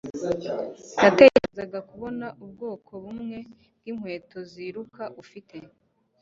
Natekerezaga kubona ubwoko bumwe bwinkweto ziruka ufite